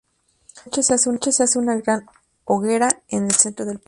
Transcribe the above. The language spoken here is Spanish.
En la noche, se hace una gran hoguera en el centro del parque.